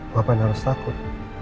ngapain harus takut